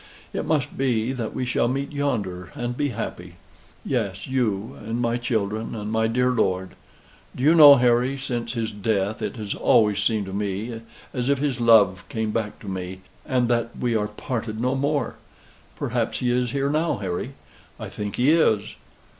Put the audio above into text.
It must be that we shall meet yonder, and be happy. Yes, you and my children, and my dear lord. Do you know, Harry, since his death, it has always seemed to me as if his love came back to me, and that we are parted no more. Perhaps he is here now, Harry I think he is.